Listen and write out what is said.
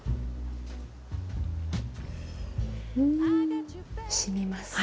うん！しみます。